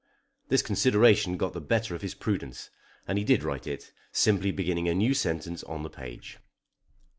This consideration got the better of his prudence and he did write it, simply beginning a new sentence on the page.